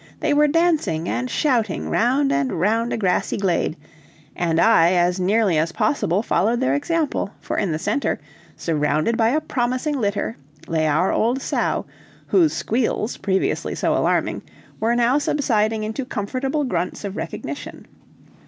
They were dancing and shouting round and round a grassy glade, and I as nearly as possible followed their example, for in the center, surrounded by a promising litter, lay our old sow, whose squeals, previously so alarming, were now subsiding into comfortable grunts of recognition.